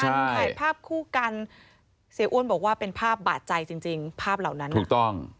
ถ่ายภาพคู่กันเสียอ้วนบอกว่าเป็นภาพบาดใจจริงจริงภาพเหล่านั้นถูกต้อง